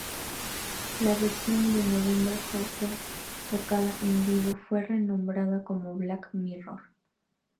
La versión de "November Hotel" tocada en vivo fue renombrada como "Black Mirror".